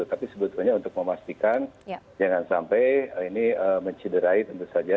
tapi sebetulnya untuk memastikan jangan sampai ini menciderai tentu saja